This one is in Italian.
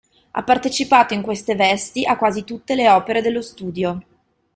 Ha partecipato in queste vesti a quasi tutte le opere dello studio.